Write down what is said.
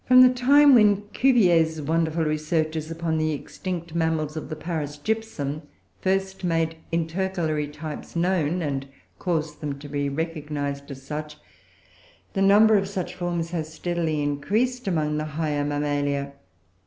From the time when Cuvier's wonderful researches upon the extinct Mammals of the Paris gypsum first made intercalary types known, and caused them to be recognised as such, the number of such forms has steadily increased among the higher Mammalia.